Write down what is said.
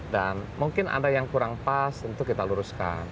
mungkin ada yang kurang pas tentu kita luruskan